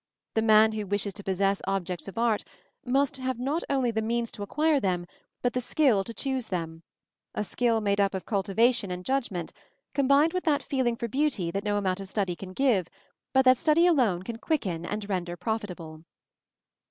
The man who wishes to possess objects of art must have not only the means to acquire them, but the skill to choose them a skill made up of cultivation and judgment, combined with that feeling for beauty that no amount of study can give, but that study alone can quicken and render profitable.